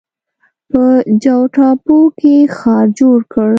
په جاوا ټاپو کې ښار جوړ کړ.